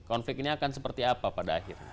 konflik ini akan seperti apa pada akhirnya